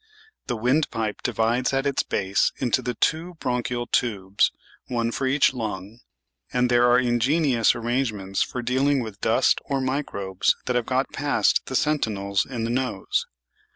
The windpipe divides at its base into the two bronchial tubes, one for each lung, and there are ingenious arrangements for dealing with dust or microbes that have got past the sentinels in the nose.